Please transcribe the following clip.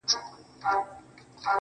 سوخ خوان سترگو كي بيده ښكاري~